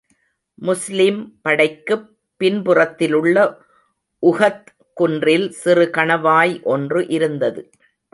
முஸ்லிம் படைக்குப் பின்புறத்திலுள்ள உஹத் குன்றில் சிறு கணவாய் ஒன்று இருந்தது.